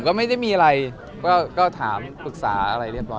ก็ไม่ได้มีอะไรก็ถามปรึกษาอะไรเรียบร้อ